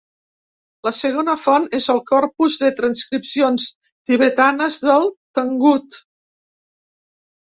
La segona font és el corpus de transcripcions tibetanes del Tangut.